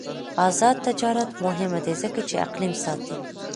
آزاد تجارت مهم دی ځکه چې اقلیم ساتي.